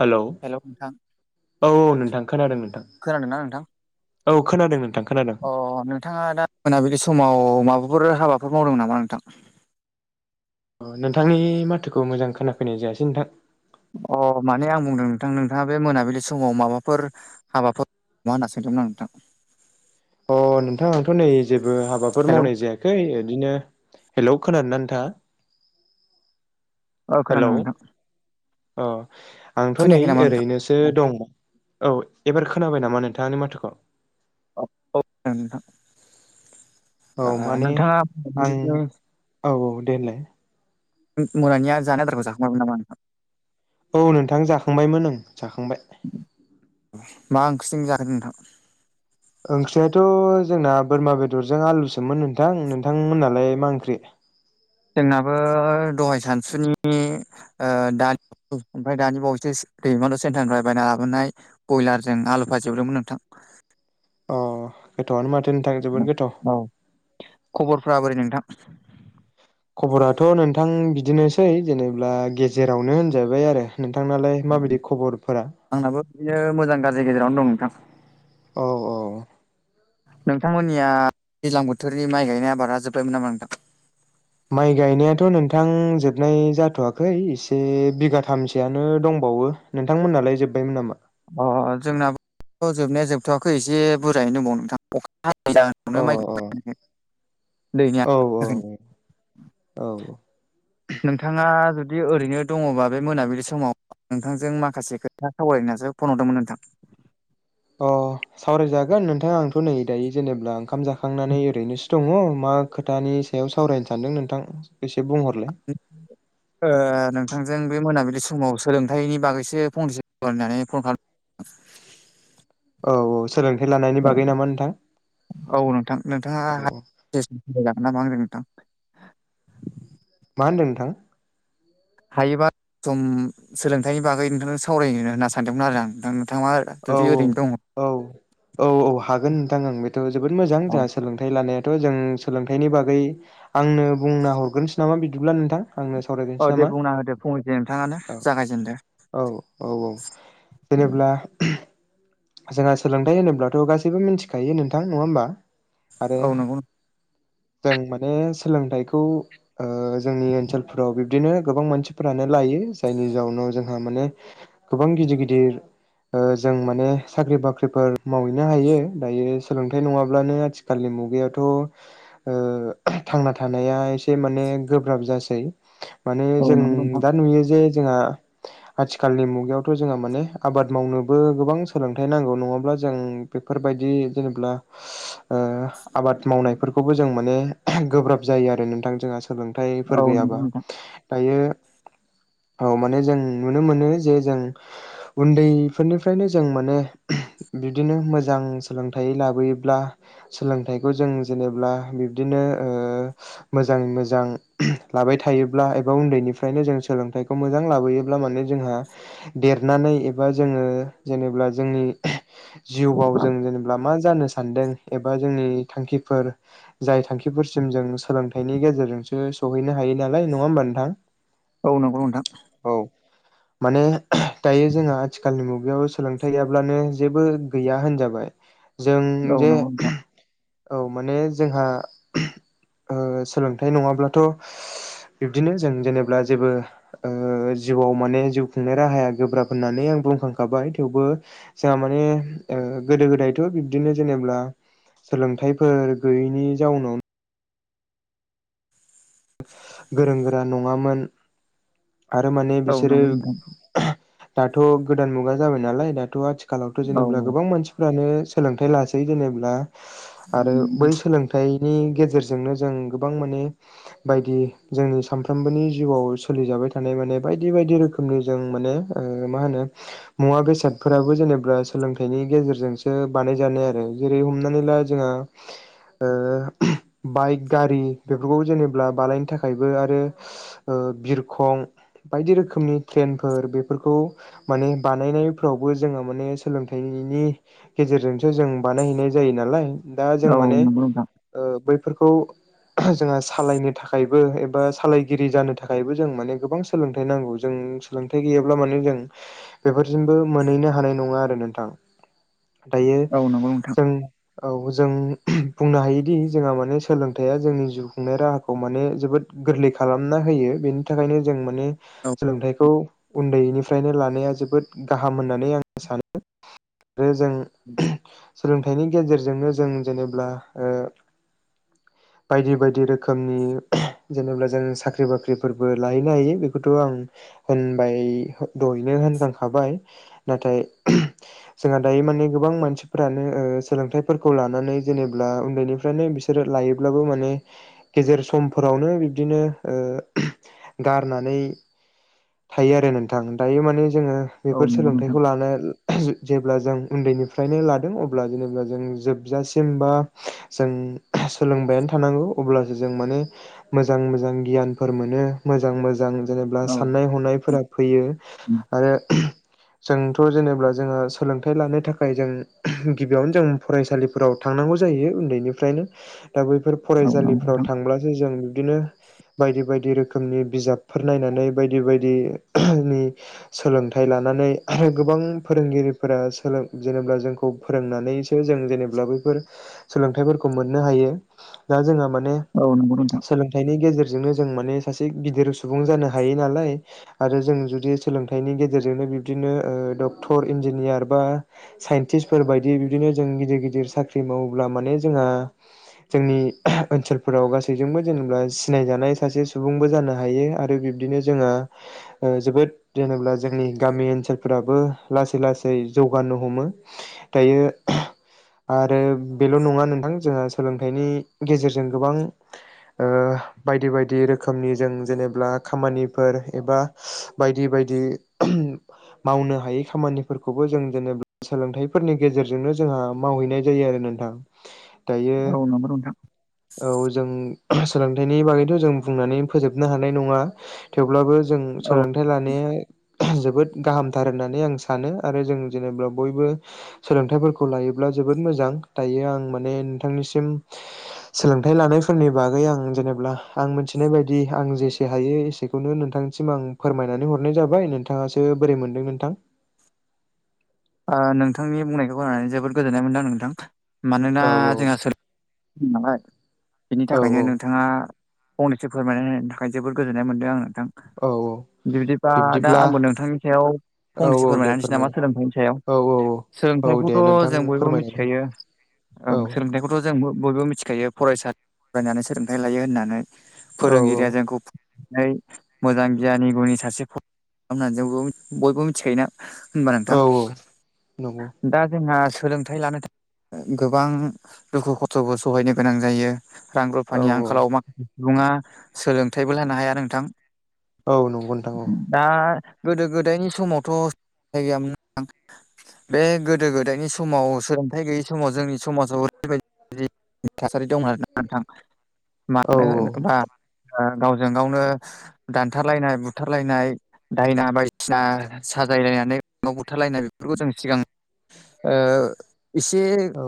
Hello hello नोंथां औ नोंथां खोनादों नोंथां। खोनादोंना नोंथां औ खोनादों नोंथां खोनादों। अ नोंथाङा दा मोनाबिलि समाव माबाफोर हाबाफोर मावदोंनामा नोंथां। अ नोंथांनि माथोखौ मोजां खोनाफैनाय जायासै नोंथां। अ माने आं बुंदों नोंथां नोंथाङा बे मोनाबिलि समाव माबाफोर हाबाफोर [unintelligible] होनना सोंदोंमोन आं नोंथां। अ नोंथांं आंथ' नै जेबो हाबाफोर हेलौ मावनाय जायाखै इदिनो हेलौ खोनादोंना नोंथाङा। ओ हेलौ खोनादों नोंथां अ आंथ' नै खोनायाखै नामा नोंथां ओरैनो ओ दं औ एबार खोनाबाय नामा नोंथाङा आंनि माथोखौ? [unintelligible] नोंथां औ ओ माने नोंथाङा आं [unintelligible] औ औ दे होनलाय। मोनानिया जानो आदारखौ जाखांबायमोन नामा नोंथां? औ नोंथां जाखांबायमोन ओं जाखांबाय। मा ओंख्रिजों जादों नोंथां? ओंख्रियाथ' जोंना बोरमा बेदरजों आलुसोमोन नोंथां नोंथांमोनालाय मा ओंख्रि? जोंनाबो दहाय सानसुनि ओ दा ओमफ्राय दानि बावैसो दैमालु सेन्टारनिफ्राय बायना लाबोनाय बयलारजों आलु भाजि एवदोंमोन नोंथां। अ गोथावआनो माथो नोंथां जोबोद गोथाव। औ खबरफ्रा बोरै नोंथां? खबराथ' नोंथां बिदिनोसै जेनेब्ला गेजेरावनो होनजाबाय आरो। नोंथांनालाय माबायदि खबरफोरा? आंनाबो बिदिनो मोजां गाज्रि गेजेरावनो दं नोंथां। औ। औ नोंथांमोननिया दैज्लां बोथोरनि माइ गायनाय आबादा जोबबायमोन नामा नोंथां? माइ गायनायाथ' नोंथां जोबनाय जाथ'वाखै एसे बिगाथामसोयानो दंबावो। नोंथांमोननालाय जोबबायमोन नामा? अ अ जोंनाबो जोबनाया जोबथ'वाखै एसे बुरजायैनो दंबावो नोंथां। अखा हायैनि अ जाहोनावनो माइखौनो गायनो हायाखै दैनि अ औ आंखालजों। औ। नोंथाङा जुदि ओरैनो दङबा बे मोनाबिलि समाव नोंथांजों माखासे खोथा सावरायनो ओननासो फन हरदोंमोन नोंथां। अ सावरायजागोन नोंथां आंथ' नै दायो जेनेब्ला ओंखाम जाखांनानै ओरैनोसो दङ मा खोथानि सायाव सावरायनो सानदों नोंथां एसे बुंहरलाय। [unintelligible] ओ नोंथांजों बे मोनाबिलि समाव सोलोंथाइनि बागैसो फंनैसो होननानै फन खालाम औ औ सोलोंथाइ लानायनि खालाम बागै नामा नोंथां औ नोंथां नोंथाङा औ औ। [unintelligible] नामा आजों नोंथां? मा होनदों नोंथां? हायोबा सम सोलोंथाइनि बागै नोंथांजों सावरायनो होनना सानदोंमोन आरो आं दा नोंथाङा औ जुदि ओरैनो दङ औ औ औ औ हागोन नोंथां आओं बेथ' जोबोद मोजां औ जा सोलोंथाइ लानायाथ' जों सोलोंथाइनि बागै आंनो बुंना हरग्रोनोसै नामा बिदिब्ला नोंथां? आंनो सावराय औ दे बुंना होदो फंनैसो नोंथाङानो जागायजेनदो। औ औ औ जेनेब्ला जोंहा सोलोंथाइ होनोब्लाथ' गासैबो मिनथिखायो नोंथां नङा होमब्ला? आरो औ नंगौ जों माने सोलोंथाइखौ ओ जोंनि ओनसोलफोराव बिब्दिनो गोबां मानसिफोरानो लायो जायनि जाउनाव जोंहा माने गोबां गिदिर गिदिर ओ जों माने साख्रि बाख्रिफोर मावहैनो हायो दायो सोलोंथाइ नङाब्लानो आथिखालनि मुगायावथ' ओ थांना थानाया एसे माने गोब्राब जासै। माने औ जों नंगौ नोंथां दा नुयो जे जोंहा आथिखालनि मुगायावथ' जोंहा माने आबाद मावनोबो गोबां सोलोंथाइ नांगौ नङाब्ला जों बेफोरबायदि जेनेब्ला ओ आबाद मावनायफोरखौबो जों माने गोब्राब जायो आरो नोंथां जोंहा औ सोलोंथाइफोर नंगौ गैयाबा नोंथां दायो औ माने जों नुनो मोनो जे जों उन्दैफोरनिफ्रायनो जों माने बिदिनो मोजां सोलोंथाइ लाबोयोब्ला सोलोंथाइखौ जों जेनेब्ला बिब्दिनो ओ मोजाङै मोजां लाबाय थायोब्ला एबा उन्दैनिफ्रायनो जों सोलोंथाइखौ मोजां लाबोयो ब्ला माने जोंहा देरनानै एबा जोङो जेनेब्ला जोंनि जिउआव जों जेनेब्ला मा जानो सानदों एबा जोंनि थांखिफोर जाय थांखिफोरसिम जों सोलोंथाइनि गेजेरजोंसो सहैनो हायो नालाय नङा होमबा नोंथां। औ नंगौ नोंथां। औ माने दायो जोंहा आथिखालनि मुगायाव सोलोंथाइ गैयाब्लानो जेबो गैया होनजाबाय जों जे नोंथां औ माने जोंहा ओ सोलोंथाइ नङाब्लाथ' बिब्दिनो जों जेनेब्ला जेबो ओ जिउआव माने जिउ खुंनाय राहाया गोब्राब होननानै आं बुंखांखाबाय। थेवबो जोंहा माने ओ गोदो गोदायथ' बिब्दिनो जेनेब्ला सोलोंथाइफोर गैयैनि जाउनावनो [inaudible] गोरों गोरा नङामोन। आरो माने औ बिसोरो नंगौ नोंथां दाथ' गोदान मुगा जाबाय नालाय दाथ' आथि खालावथ' औ जेनेब्ला नंगौ गोबां मानसिफ्रानो सोलोंथाइ लासै जेनेब्ला आरो नोंथां बै सोलों थाइनि गेजेरजोंनो जों गोबां माने बायदि जोंनि सानफ्रोमबोनि जिउआव सोलिजाबाय थानाय माने बायदि बायदि रोखोमनि जों माने ओ मा होनो मुवा बेसादफोराबो जेनेब्ला सोलोंथाइनि गेजेरजोंसो बानायजानाय आरो जेरै हमनानै ला जोंहा ओ बाइक गारि बेफोरखौ जेनेब्ला बानायनो थाखायबो आरो ओ बिरखं बायदि रोखोमनि ट्रेनफोर बेफोरखौ माने बानायनायफ्रावबो जोङो माने सोलोंथाइनि गेजेरजोंसो जों बानायहैनाय जायो नालाय दा जों औ माने नंगौ नोंथां ओ बैफोरखौ जोंहा सालायनो थाखायबो एबा सालायगिरि जानो थाखायबो जों माने गोबां सोलोंथाइ नांगौ जों सोलोंथाइ गैयाब्ला माने जों बेफोरजोंबो मोनहैनो हानाय नङा आरो नोंथां दायो औ नंगौ नोंथां जों औ जों बुंनो हायोदि जोंहा माने सोलोंथाया जोंनि जिउ खुंनाय राहा खौ माने जोबोद गोरलै खालामना होयो बेनि थाखायनो जों औ [unintelligible] सोलोंथायखौ उन्दैनि फ्रायनो लानाया जोबोद गाहाम होननानै आं सानो आरो जों [inaudible] सोलोंथाइनि गेजेरजोंनो जों जेनेब्ला ओ बायदि बायदि रोखोमनि जेनेब्ला जों साख्रि बाख्रिफोरबो लाहैनो हायो बे बेखौथ' आं होनबाय दहायनो होनखां खाबाय नाथाय जोंहा दायो माने गोबां मानसिफोरानो ओ सोलोंथाइफोरखौ लानानै जेनेब्ला उन्दैनिफ्रायनो बि बिसोर लायोब्लाबो माने गेजेर समफोरावनो बिब्दिनो ओ गारनानै थायो आरो नोंथां दायो माने जोङो औ बेफोर नंगौ नोंथां सोलोंथाइखौ लानो जेब्ला जों उन्दैनिफ्रायनो लादों अब्ला जेनेब्ला जों जोबजासिम बा जों सोलोंबायानो थानांगौ अब्लासो जों माने मोजां मोजां गियानफोर मोनो मोजां मोजां जेनेब्ला औ साननाय हनायफोरा फैयो औ आरो जोंथ' जेनेब्ला जोङो सोलोंथाइ लानो थाखाय जों गिबियावनो जों फरायसालिफोराव थांनांगौ जायो उन्दैनिफ्रायनो दा बैफोर नंगौ फरायसालिफ्राव नोंथां थांब्लासो जों बिदिनो बायदि बायदि रोखोमनि बिजाब। फोर नायनानै बायदि बायदिनि सोलोंथाइ लानानै आरो गोबां फोरोंगिरिफोरा जेनबा जोंखौ फोरोंनानैसो जों जेनब्ला बैफोर सोलोंथाइफोरखौ मोननो हायो दा जोंहा माने औ नंगौ नोंथां। सोलोंथाइनि गेजेरजोंनो जों माने सासे गिदिर सुबुं जानो हायो नालाय। आरो जों जुदि सोलोंथाइनि गेजेरजोंनो बिब्दिनो ओ डक्टर इन्जिनियार बा साइन्टिस्फोर बायदि बिदिनो जों गिदिर गिदिर साख्रि मावोब्ला माने जोंहा जोंनि ओनसोलफोराव गासैजोंबो जेनेबा सिनायजानाय सासे सुबुंबो जानो हायो। आरो बिब्दिनो जोङो जोबोद जेनबाला जोंनि गामि ओनसोलफोराबो लासै लासै जौगानो हमो दायो आरो बेल' नङा नोंथां जोंहा सोलोंथाइनि गेजेरजों गोबां ओ बायदि बायदि रोखोमनि जों जेन ब्ला खामानिफोर एबा बायदि बायदि मावनो हायै खामानिफोरखौबो जों जेन'बा सोलोंथाइफोरनि गेजेरजोंनो जोंहा मावहैनाय जायो आरो नोंथां। दायो औ नंगौ नोंथां औ जों सोलोंथाइनि बागैथ' जों बुंनानै फोजोबनो हा नाय नङा थेवब्लाबो जों सो औ खन्थाइ लानाया जोबोद गाहामथार होननानै आं सानो आरो जों जेनेबा बयबो सोलोंथाइफोरखौ लायोब्ला जोबोद मोजां दायो आं माने नोंथांनिसिम सोलोंथाइ लानायफोरनि बागै आं जेनेबा आं मिथिनाय बायदि आं जे एसे हायो एसेखौनो नोंथांनिसिम आं फोरमायनानै हरनाय जाबाय नोंथाङासो बोरै मोनदों नोंथां? ओ नोंथांनि बुंनायखौ गोननानै जोबोद गोजोननाय मोनदों नोंथां मानोना औ जोंहा नालाय बिनि औ थाखायनो नोंथाङा फंनैसो फोरमायना होनायनि थाखाय जोबोद गोजोननाय मोनदों आं नोंथां। औ औ बिदिबा दा बिब्दिब्ला आंबो नोंथांनि सायाव औ फंनैसो औ फोरमाय दे होनोसै नामा फोरमायनो सोलोंथाइनि औ औ औ दे सोलोंथाइखौथ' नोंथां जों बयबो फोरमायनानै मिथिखायो सो औ सोंलोंथाइखौथ' जों बयबो मिथिखायो फरायसा फरायनानै सोलोंथाइ लायो होननानै। औ फोरोंगिरिया जोंखौनाय मोजां गियानि गुनि सासे होननानै जों बयबो मिथिखायोना? होनबा नोंथां औ औ नंगौ। दा जोंहा सोलोंथाइ लानो थाखाय गोबां दुखु खस्थ'बो सहायनो गोनां जायो। रां औ रुफानि औ आंखालाव माखासे सुबुङा सोलोंथाइबो लानो हाया नोंथां। औ नंगौ नोंथां औ। दा गोदो गोदायनि समावथ' गैयामोन नोंथां। बे गोदो गोदायनि समाव सोलोंथाइ गैयि समाव जोंनि समाजाव ओरैबायदि थासारि दं होन नोंथां औ मानो होनोब्ला ओ गावजों गावनो दानथारलायनाय बुथारलायनाय दायना बायदिसिना साजायलायनानै बुथारलायनाय बेफोरखौ जों सिगां ओ एसे औ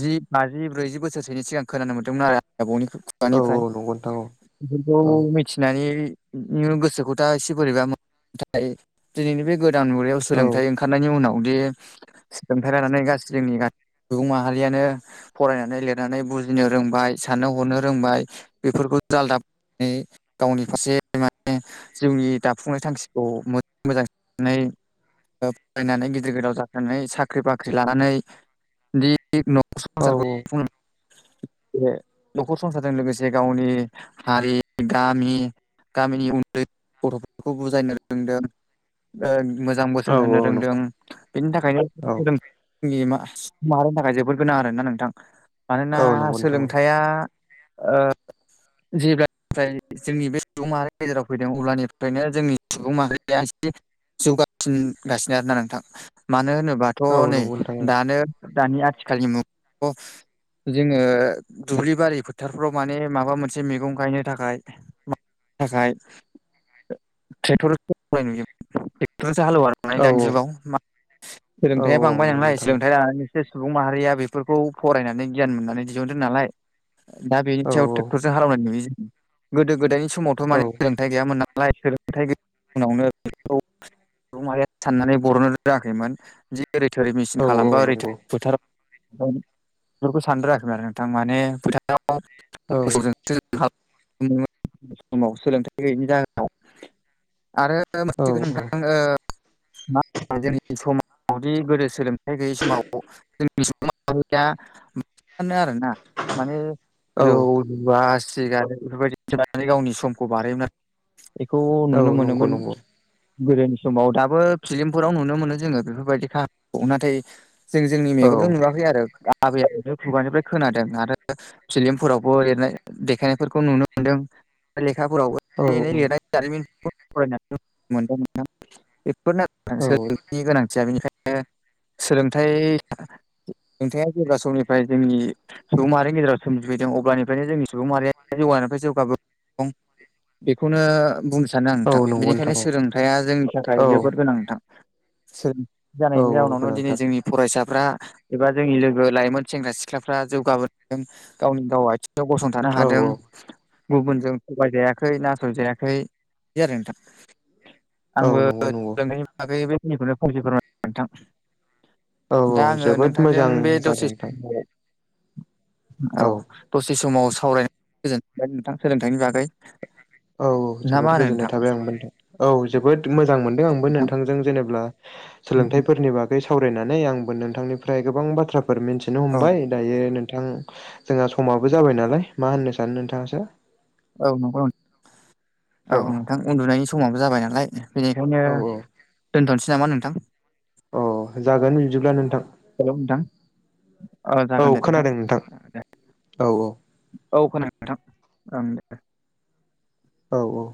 जि बाजि ब्रैजि बोसोरसोनि सिगां खोनानो मोन्दोंमोन आरो आं औ औ आबौनिफ्राय नंगौ नोंथां औ बिनिफ्राय मिथिनानै गोसोखौ दा एसे बोरैबा नाथाय दिनैनि बे गोदान मुगायाव औ सोलोंथाइ ओंखारनायनि उनावदि सोलोंथाइ लानानै गासै जोंनि गासै सुबुं माहारियानो फरायनानै लिरनानै बुजिनो रोंबाय साननो हनो रोंबाय बेफोरखौ आलदा गावनि फारसे माने जिउनि दाफुंनाय थांखिखौ मोजां फरायनानै गिदिर गोलाव जाखांनानै साख्रि बाख्रि लानानै बिदि बे न'खर औ संसारखौ बे न'खर संसारजों लोगोसे गावनि हारि गामि गामिनि उन्दै गथ'फोरखौ बुजायनो रोंदों मोजां बोसोन होनो नंगौ रोंदों बेनि औ थाखायनो माहारिनि थाखाय जोबोद गोनां आरोोना नोंथां औ मानोना नंगौ नोंथां सोलोंथाइया ओ जेब्लानिफ्राय जोंनि बे सुबुं माहारिनि गेजेराव फैदों अब्लानिफ्रायनो जोंनि सुबुं माहारिया जौगासिनगासिनो आरोना नोंथां मानो होनोबाथ' औ नै नंगौ नोंथां दानो दानि आथिखालनि मुग' जोङो दुब्लि बारि फोथारफ्राव माने माबा मोनसे मैगं गायनो थाखाय थाखाय ट्रेक्टर नु्रेटरसो हालेवा औ दानि जुगाव औ नंगौ नोंथां औ नंगौ औ सोलोंथायाइया बांबाय नंगौ नंगौ नलाय औ सोलोंथाइ लानानै जसे सुबुं माहारिया बेफोरखौ फरायनानै गियान मोननानै दिहुनदों नालाय दा बेनि सायाव ट्रेक्टरजों हालेनाय नुयो ज गोदो गोदायनि समावथ' माने सोलोंथाइ गैयामोन नालाय सोलोंथाइ गैया उनावनो साननानै बरनो रोङाखैमोन ओैथर मेचन खालामबा ओै फोथारा बेफोरखौ सानदोाखैमोन आरो नोंथां माने फोथाङाव न समाव सोलोंथाइ गैयिनि जाहोनाव आरो मोनथिगोनांथां मा होनो जोंनि समाजावदि गोदो सोलोंथाइ गैयिै समाव ज आरो ना माने जौ जुवा सिगारेट बेफोरबायदिनानै गावनि समखौ बारहयोमोन आरो बेखौ औ नुनो मोनो नंगौ गोदोनि समाव दाबो फिलिमफोराव नुनो मोनो जोङो बेफोरबायदि खाहानिखौ नाथाय जों जोंनि मेगनजों नुवाखै आरो आबै आबौ खुगानिफ्राय खोनादों आरो फिलि्मफोरावबो लिरनाय देखायनायफोरखौ नुनो मोन्दों लेखाफोरावबो नाय लिरनाय जारिमिन फराय मोनदों सोलोंनि गोनांथिया बेनिखायनो सोलोंथाइ नोंथाङा जेब्ला समनिफ्राय जोंनि सुबुं माहारिनि गेजेराव सोमजिफैदों अब्लानिफ्रायनो जोंनि सुबुं माहारिया जौगानायानिफ्राय जौगाब बेखौनो बुंनो सानो आं बिनिखायनो नोंथां सोलोंथाया जोंनि थाखाय औ जोबोद गोनांथां औ जानायनि जाउनावनो दिनै गोनांथार जोंनि फरायसाफ्रा एबा जोंनि लोगो लाइमोन सेंग्रा सिख्लाफ्रा जौगाबोदों गावनि दाव आथिङाव गसंथानो औ हादों औ गुबुनजों थगायजायाखै नासयजायाखै दि जादों नोंथां औ आंबो नंगौ नंगौ सों बागै बेखिनिखौनो फंसे फोरमाय नोंथां औ दा औ आङो जोबोद नोंथांजों मोजां बे जादों दसे नोंथां समाव औ दसे समाव सावरायनानै गोजोनबाय नोंथां सोलोंथाइनि बागै औ औ ना मा जोबोद होनो गोजोननाय नोंथां? थाबाय आंबो नोंथां औ जोबोद मोजां मोनदों आंबो नोंथां नोंथांजों जेनेा सोलोंथाइफोरनि बागै सावरायनानै आंबो नोंथांनिफ्राय गोबां बाथ्राफोर मिन्थिनो औ हमबाय दायो नोंथां जोंहा समाबो जाबाय नालाय मा होननो सानो नोंथाङासो औ नंगौ औ औ नोंथां उन्दुनायनि समाबो जाबाय नालाय बेनिखायनो औ औ दोनथ'नोसै नामा नोंथां अ जागोन बिदिब्ला नोंथां हेलौ नोंथां औ जागोन दे खोनादों नोंथां दे औ औ औ खोनादोंथां ओं दे औ औ।